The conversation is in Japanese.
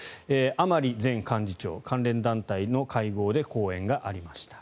甘利前幹事長、関連団体の会合で講演がありました。